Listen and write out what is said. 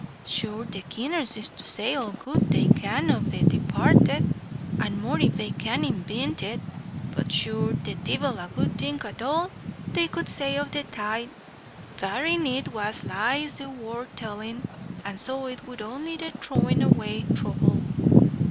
Sure, the keeners is to say all the good they can of the departed, and more if they can invint it; but, sure, the divil a good thing at all they could say of the Tithe, barrin' it was lies they wor tellin', and so it would only be throwin' away throuble."